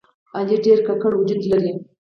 علي ډېر ګګړه وجود لري.